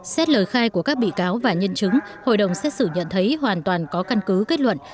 xét lời khai của các bị cáo và nhân chứng hội đồng xét xử nhận thấy hoàn toàn có căn cứ kết luận